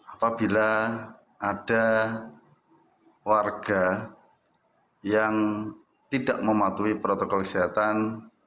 apabila ada warga yang tidak mematuhi protokol kesehatan